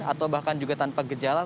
atau bahkan juga tanpa gejala